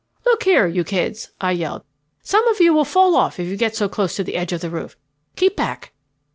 "Look here, you kids," I yelled, "some of you will fall off if you get so close to the edge of the roof. Keep back."